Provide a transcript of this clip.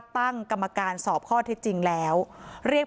ต้องยอมครับว่า